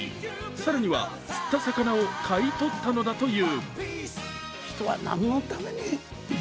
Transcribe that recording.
更には釣った魚を買い取ったのだという。